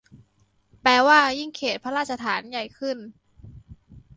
แปลว่ายิ่งเขตพระราชฐานใหญ่ขึ้น